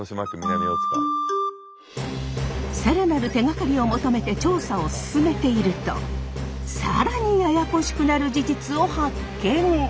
更なる手がかりを求めて調査を進めていると更にややこしくなる事実を発見！